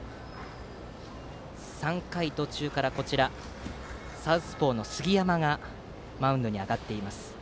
３回途中からサウスポーの杉山がマウンドに上がっています。